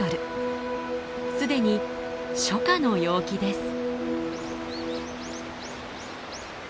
既に初夏の陽気です。